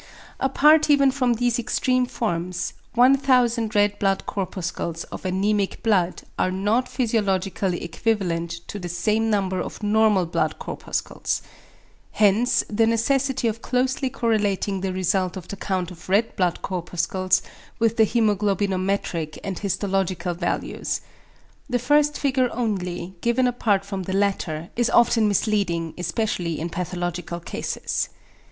Apart even from these extreme forms, 1,000 =red blood corpuscles of anæmic blood are not physiologically equivalent to the same number of normal blood corpuscles=. Hence the necessity of closely correlating the result of the count of red blood corpuscles with the hæmoglobinometric and histological values. The first figure only, given apart from the latter, is often misleading, especially in pathological cases.